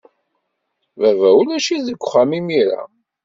Baba ulac-it deg uxxam imir-a.